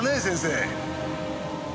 先生。